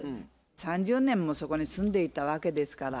３０年もそこに住んでいたわけですから。